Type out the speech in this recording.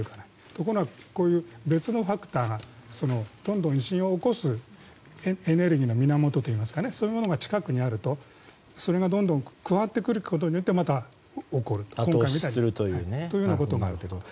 ところがこういう別のファクターどんどん地震を起こすエネルギーの源がそういうものが近くにあるとそれがどんどん加わってくることによってまた起こるというようなことが。